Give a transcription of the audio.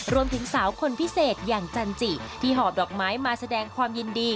รวมถึงสาวคนพิเศษอย่างจันจิที่หอบดอกไม้มาแสดงความยินดี